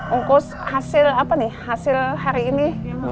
ungkus hasil apa nih hasil hari ini